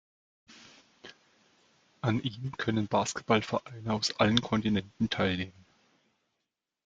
An ihm können Basketballvereine aus allen Kontinenten teilnehmen.